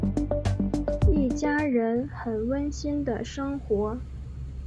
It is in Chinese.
一家人很温馨的生活。